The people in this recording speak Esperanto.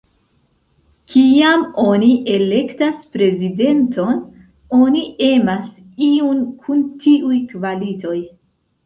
Kiam oni elektas prezidenton, oni emas iun kun tiuj kvalitoj.